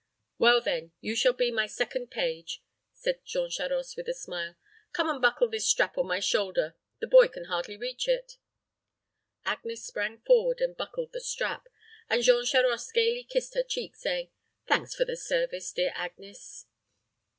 "Well, then, you shall be my second page," said Jean Charost, with a smile. "Come and buckle this strap on my shoulder the boy can hardly reach it." Agnes sprang forward and buckled the strap, and Jean Charost gayly kissed her cheek, saying, "Thanks for the service, dear Agnes."